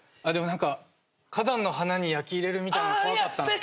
でも何か花壇の花に焼き入れるみたいなの怖かった。